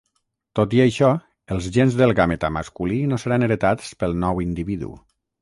Tot i això, els gens del gàmeta masculí no seran heretats pel nou individu.